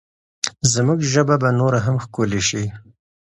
زموږ ژبه به نوره هم ښکلې شي.